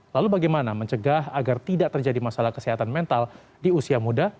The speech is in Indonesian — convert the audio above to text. lalu bagaimana mencegah agar tidak terjadi masalah kesehatan mental di usia muda